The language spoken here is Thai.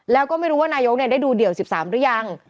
แล้วก็ไม่รู้ว่านายกได้ดูเดี่ยว๑๓หรือยัง